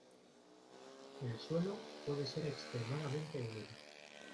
El suelo puede ser extremadamente húmedo.